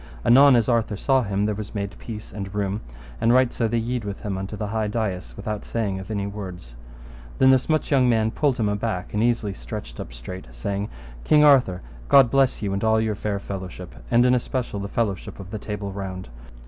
Anon as Arthur saw him there was made peace and room, and right so they yede with him unto the high dais, without saying of any words. Then this much young man pulled him aback, and easily stretched up straight, saying, King Arthur, God you bless and all your fair fellowship, and in especial the fellowship of the Table Round.